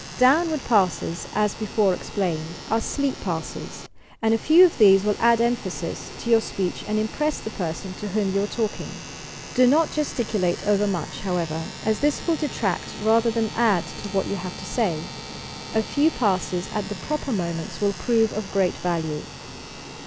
Downward passes, as before explained, are sleepi passes, and a few of these will add emphasis to yonr 1 270 YOUR PSYCHIC POWERS speech and impress the person to whom you are talk ing. Do not gesticulate overmuch, however, as this will detract rather than add to what you have to say, A few passes at the proper moments will prove of great value.